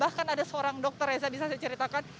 bahkan ada seorang dokter reza bisa saya ceritakan